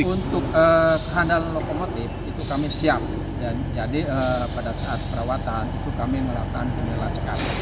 untuk kehandal lokomotif itu kami siap jadi pada saat perawatan itu kami melakukan penyelidikan